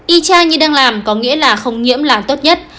y tra như đang làm có nghĩa là không nhiễm là tốt nhất